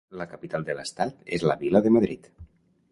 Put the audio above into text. La capital de l'Estat és la vila de Madrid.